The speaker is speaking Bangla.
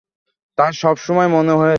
তার সব সময় মনে হয়েছে, এটা অদৃশ্য শক্তিরই ফল।